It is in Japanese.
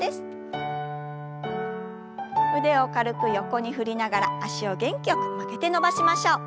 腕を軽く横に振りながら脚を元気よく曲げて伸ばしましょう。